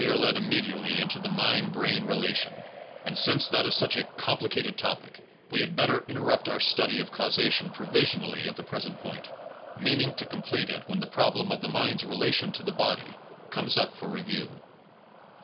Since with this we are led immediately into the mind brain relation, and since that is such a compli cated topic, we had better interrupt our study of causation provisionally at the present point, meaning to complete it when the problem of the mind s relation to the body comes up for review.